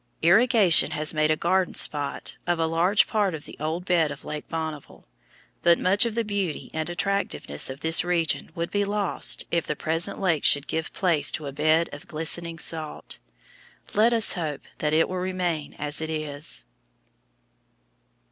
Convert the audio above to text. Irrigation has made a garden spot of a large part of the old bed of Lake Bonneville, but much of the beauty and attractiveness of this region would be lost if the present lake should give place to a bed of glistening salt. Let us hope that it will remain as it is.